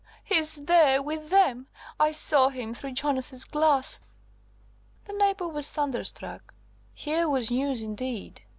he's there–with them! I saw him through Jonas's glass." The neighbour was thunderstruck. Here was news indeed.